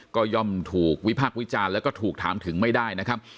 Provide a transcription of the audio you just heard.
ก็ย่อมถูกวิพากษ์วิจารณ์แล้วก็ถูกถามถึงไม่ได้นะครับ